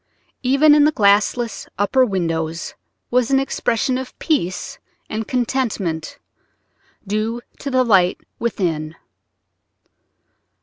Even in the glassless upper windows was an expression of peace and contentment, due to the light within.